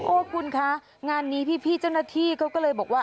คุณคะงานนี้พี่เจ้าหน้าที่เขาก็เลยบอกว่า